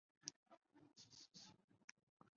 久保刺铠虾为铠甲虾科刺铠虾属下的一个种。